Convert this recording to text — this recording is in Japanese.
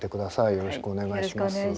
よろしくお願いします。